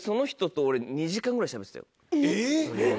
えっ！